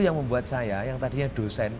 yang membuat saya yang tadinya dosen